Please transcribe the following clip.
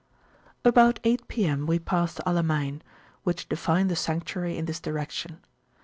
[p.262] About eight P.M. we passed the Alamayn, which define the Sanctuary in this direction.